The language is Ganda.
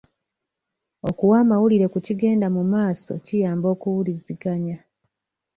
Okuwa amawulire ku kigenda mumaaso kiyamba okuwuliziganya.